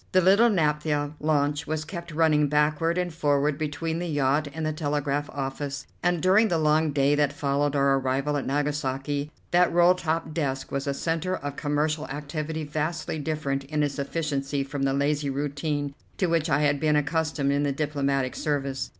The little naphtha launch was kept running backward and forward between the yacht and the telegraph office, and during the long day that followed our arrival at Nagasaki that roll top desk was a centre of commercial activity vastly different in its efficiency from the lazy routine to which I had been accustomed in the diplomatic service.